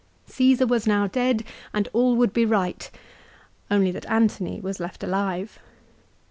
Csesar was now dead and all would be right, only that Antony was left alive.